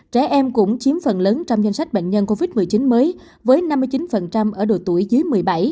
trẻ em cũng chiếm phần lớn trong danh sách bệnh nhân covid một mươi chín mới với năm mươi chín ở độ tuổi dưới một mươi bảy